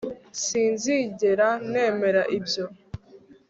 Sinzigera nemera ibyo